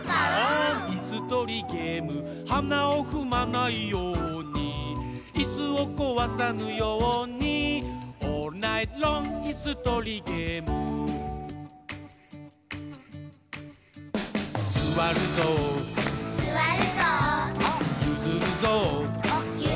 いすとりゲーム」「はなをふまないように」「いすをこわさぬように」「オールナイトロングいすとりゲーム」「すわるぞう」「ゆずるぞう」